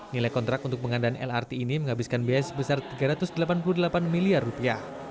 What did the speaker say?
nilai kontrak untuk pengadaan lrt ini menghabiskan biaya sebesar tiga ratus delapan puluh delapan miliar rupiah